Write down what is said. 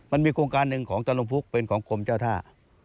มันมีโครงการหนึ่งของตะลุมพุกเป็นของกรมเจ้าท่า